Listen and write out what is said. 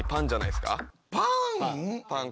パン？